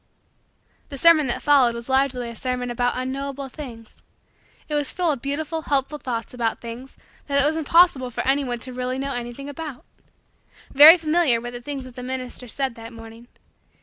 The sermon that followed was largely a sermon about unknowable things. It was full of beautiful, helpful, thoughts about things that it was impossible for anyone to really know anything about. Very familiar were the things that the minister said that morning.